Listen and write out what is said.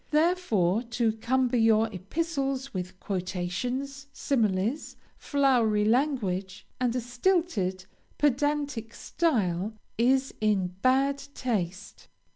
Therefore to cumber your epistles with quotations, similes, flowery language, and a stilted, pedantic style, is in bad taste.